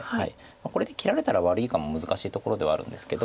これで切られたら悪いかも難しいところではあるんですけど。